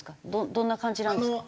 どんな感じなんですか？